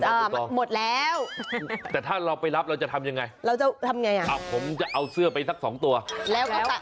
แต่ถ้าเราไปรับเราจะทำอย่างไรบ๊วย